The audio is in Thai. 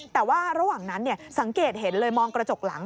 แต่ว่าระหว่างนั้นสังเกตเห็นเลยมองกระจกหลัง